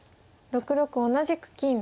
６六同じく金。